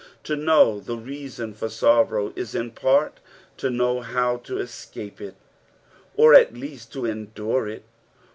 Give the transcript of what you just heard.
To know the reason for sorrow is in part to know how to escape it, or at least to endure it.